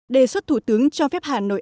đề xuất thủ tướng cho phép hà nội